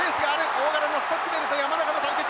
大柄なストックデールと山中の対決！